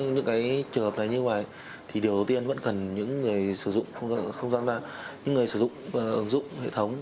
những trường hợp này như vậy thì điều đầu tiên vẫn cần những người sử dụng hệ thống